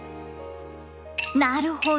なるほど！